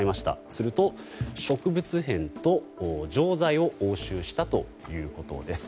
すると、植物片と錠剤を押収したということです。